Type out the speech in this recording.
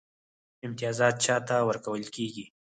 امتیازات چا ته ورکول کیږي؟